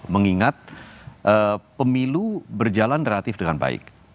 mengingat pemilu berjalan relatif dengan baik